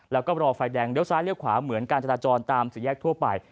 แล้วก็รอไฟแดงเลี้ยซ้ายเลี้ยขวาเหมือนการจราจรตามสี่แยกทั่วไป